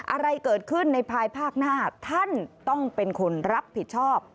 อะไรเกิดขึ้นในภายภาคหน้าท่านต้องเป็นคนรับผิดชอบ